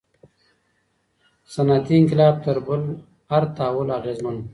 صنعتي انقلاب تر بل هر تحول اغیزمن و.